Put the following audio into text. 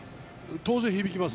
当然、響きます。